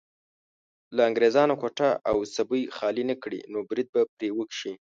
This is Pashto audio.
که انګريزان کوټه او سبۍ خالي نه کړي نو بريد به پرې وشي.